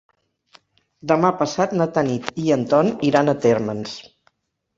Demà passat na Tanit i en Ton iran a Térmens.